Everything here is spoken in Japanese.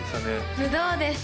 ブドウです